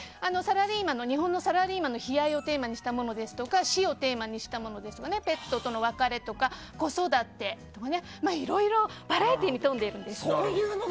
日本のサラリーマンの悲哀をテーマにしたものですとか死をテーマにしたものですとかペットとの別れとか子育てなどいろいろバラエティーに富んでいるんです。